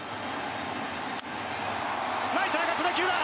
ライトへ上がった打球だ！